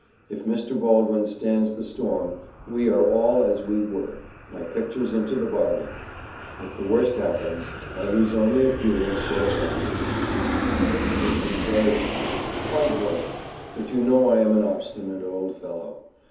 If Mr. Baldwin stands the storm, we are all as we were my pictures into the bargain. If the worst happen, I lose only a few instead of all my collection.' "This was very generous quite noble, but you know I am an obstinate old fellow.